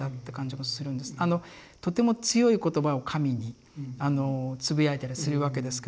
とても強い言葉を神につぶやいたりするわけですけども。